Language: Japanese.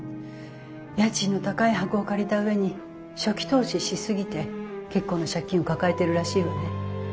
家賃の高い箱を借りた上に初期投資し過ぎて結構な借金を抱えてるらしいわね。